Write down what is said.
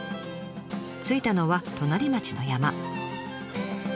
着いたのは隣町の山。